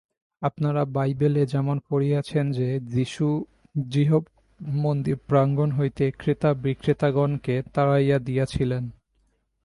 আপনারা বাইবেলে যেমন পড়িয়াছেন যে, যীশু যিহোবার মন্দির-প্রাঙ্গণ হইতে ক্রেতা-বিক্রেতাগণকে তাড়াইয়া দিয়াছিলেন।